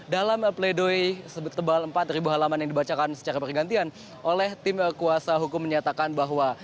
dalam pledoi tebal empat ribu halaman yang dibacakan secara pergantian oleh tim kuasa hukum menyatakan bahwa